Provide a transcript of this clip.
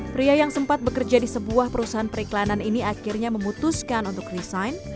pria yang sempat bekerja di sebuah perusahaan periklanan ini akhirnya memutuskan untuk resign